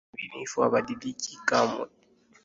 Mungu mwaminifu habadiliki kamwe.